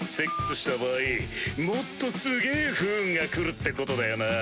スした場合もっとすげぇ不運がくるってことだよなぁ。